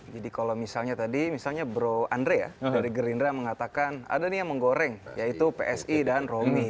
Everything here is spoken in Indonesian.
jadi kalau misalnya tadi misalnya bro andre ya dari gerindra mengatakan ada nih yang menggoreng yaitu psi dan romi